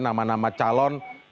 nama nama calon yang akan diusung